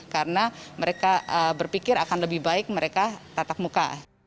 karena mereka berpikir akan lebih baik mereka tatap muka